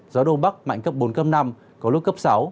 gió đông bắc mạnh cấp bốn cấp năm có lúc cấp sáu